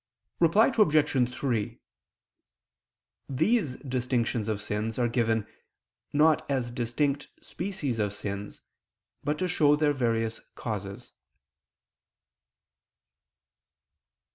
Reply Obj. 3: These distinctions of sins are given, not as distinct species of sins, but to show their various causes.